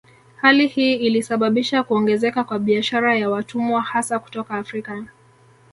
Hali hii ilisababisha kuongezeka kwa biashara ya watumwa hasa kutoka Afrika